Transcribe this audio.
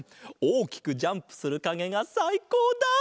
おおきくジャンプするかげがさいこうだ！